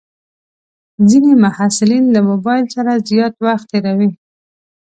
ځینې محصلین له موبایل سره زیات وخت تېروي.